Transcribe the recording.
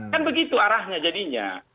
kan begitu arahnya jadinya